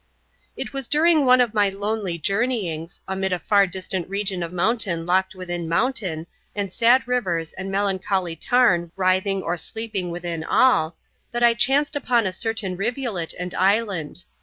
It was during one of my lonely journeyings, amid a far distant region of mountain locked within mountain, and sad rivers and melancholy tarn writhing or sleeping within all—that I chanced upon a certain rivulet and island.